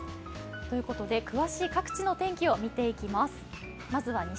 ということで詳しい各地の天気を見ていきます。